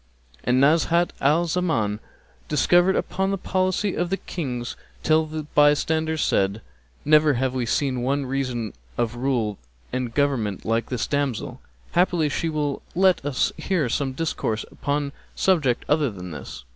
'" And Nazhat al Zaman discoursed upon the policy of Kings till the bystanders said, "Never have we seen one reason of rule and government like this damsel! Haply she will let us hear some discourse upon subject other than this."